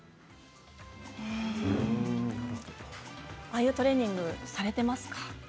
ああいうトレーニングされていますか？